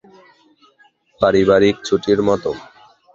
পারিবারিক ছুটির মতো।